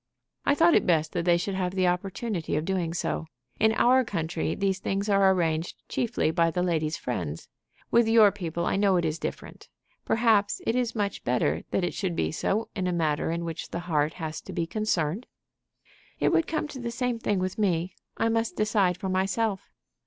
"I thought it best that they should have the opportunity of doing so. In our country these things are arranged chiefly by the lady's friends. With your people I know it is different. Perhaps it is much better that it should be so in a matter in which the heart has to be concerned." "It would come to the same thing with me. I must decide for myself."